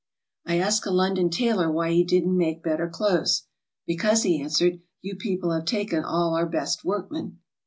I asked a London tailor wby he didn't make better clothes. ''Because," he answered, "you people have taken all our best workmen."